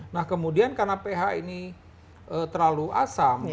nah kemudian karena ph ini terlalu asam